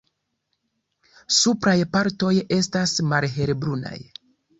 Supraj partoj estas malhelbrunaj.